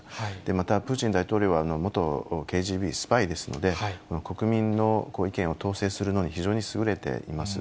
また、プーチン大統領は元ＫＧＢ、スパイですので、国民の意見を統制するのに非常に優れています。